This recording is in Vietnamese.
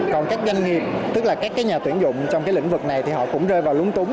còn các doanh nghiệp tức là các nhà tuyển dụng trong cái lĩnh vực này thì họ cũng rơi vào lúng túng